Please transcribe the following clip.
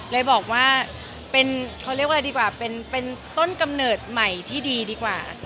เลยบอกว่าเป็นต้นกำเนิดใหม่ที่ดีดีกว่า